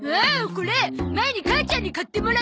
これ前に母ちゃんに買ってもらったやつ！